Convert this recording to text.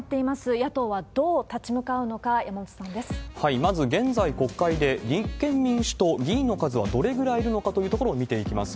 野党はどう立ち向かうのか、山本まず現在、国会で立憲民主党、議員の数はどれぐらいいるのかというところを見ていきます。